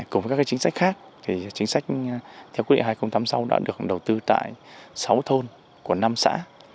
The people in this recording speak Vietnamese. cùng với các chính sách khác thì chính sách theo quy định hai nghìn tám mươi sáu đã được đầu tư tại sáu thôn của năm xã